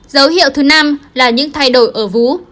dấu hiệu thứ năm là những thay đổi ở vú